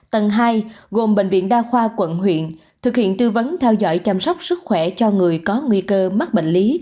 tầng hai gồm bệnh viện đa khoa quận huyện thực hiện tư vấn theo dõi chăm sóc sức khỏe cho người có nguy cơ mắc bệnh lý